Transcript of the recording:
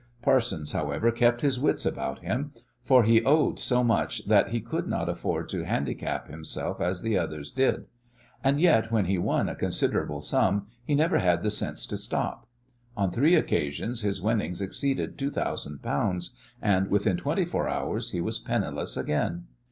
Parsons, however, kept his wits about him, for he owed so much that he could not afford to handicap himself as the others did. And yet when he won a considerable sum he never had the sense to stop. On three occasions his winnings exceeded two thousand pounds, and within twenty four hours he was penniless again.